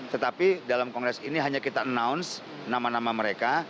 tetapi dalam kongres ini hanya kita announce nama nama mereka